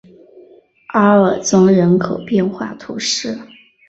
阿尔宗人口变化图示